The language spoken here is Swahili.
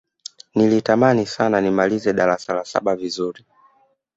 nilitamani sana nimalize darasa la saba vizuri